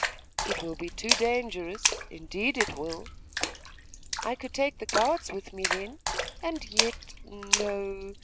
'It will be too dangerous indeed it will!' 'I could take the guards with me, then. And yet no....